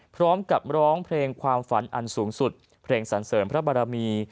พร้อมกับร้องเพลงความฝันอันสูงสุดเพลงสันเสริมพระบารมี